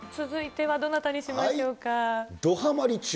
続いてはどなたにしましょうか。